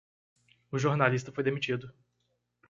O jornalista foi demitido.